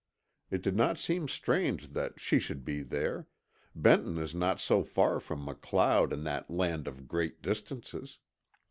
It did not seem strange that she should be there; Benton is not so far from MacLeod in that land of great distances.